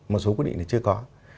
một số quy định thì chưa có